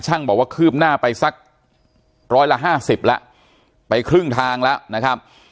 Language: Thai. บอกว่าคืบหน้าไปสักร้อยละห้าสิบแล้วไปครึ่งทางแล้วนะครับ